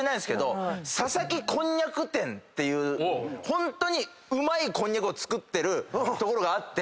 ホントにうまいこんにゃくを作ってる所があって。